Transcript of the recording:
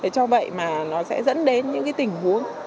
để cho vậy mà nó sẽ dẫn đến những tình huống mà các đối tượng